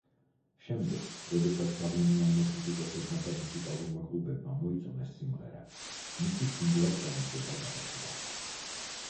შემდეგ, როდესაც გავლენიანმა კრიტიკოსებმა და მუსიკალურმა კლუბებმა მოიწონეს სიმღერა, მისი სინგლად გამოშვება გადაწყდა.